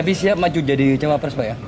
tapi siap maju jadi jawab resmi pak ya